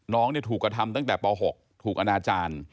น้องถูกกระทำตั้งแต่ป๖ถูกอนาจารย์